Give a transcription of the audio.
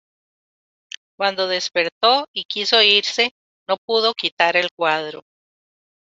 Cuando despertó y quiso irse; no pudo quitar el cuadro.